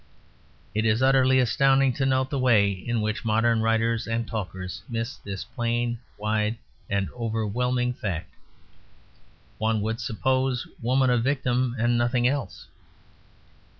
It is utterly astounding to note the way in which modern writers and talkers miss this plain, wide, and overwhelming fact: one would suppose woman a victim and nothing else.